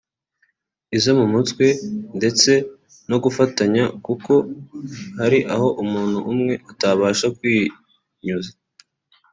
izo mu mutwe ndetse no gufatanya kuko hari aho umuntu umwe atabasha kwinyuza